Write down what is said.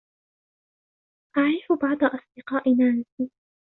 أعرف بعض أصدقاء نانسي.